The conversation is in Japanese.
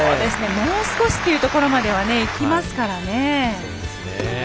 もう少しというところまではいきますからね。